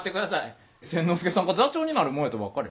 千之助さんが座長になるもんやとばっかり。